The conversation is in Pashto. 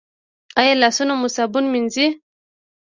ایا لاسونه مو صابون مینځئ؟